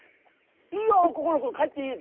いいよ心くん帰っていい！